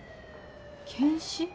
検視？